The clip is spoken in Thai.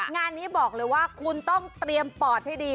งานนี้บอกเลยว่าคุณต้องเตรียมปอดให้ดี